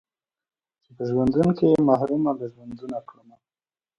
چې په ژوندون کښې يې محرومه له ژوندونه کړمه